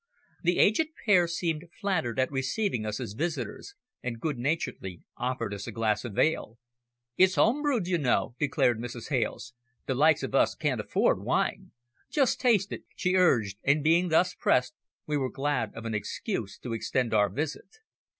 The aged pair seemed flattered at receiving us as visitors, and good naturedly offered us a glass of ale. "It's home brewed, you know," declared Mrs. Hales. "The likes of us can't afford wine. Just taste it," she urged, and being thus pressed we were glad of an excuse to extend our visit.